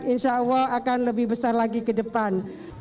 insya allah akan lebih besar lagi ke depan